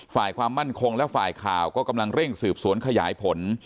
ฝ่ายความมั่นคงและฝ่ายข่าวก็กำลังเร่งสืบสวนขยายผล